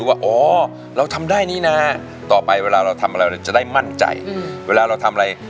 ก็ห้ามประมาท